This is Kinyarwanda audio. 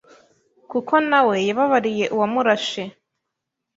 kuko nawe yababariye uwamurashe